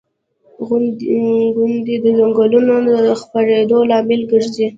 • غونډۍ د ځنګلونو د خپرېدو لامل ګرځي.